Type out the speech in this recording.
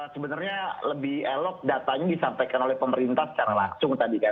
sebenarnya lebih elok datanya disampaikan oleh pemerintah secara langsung tadi kan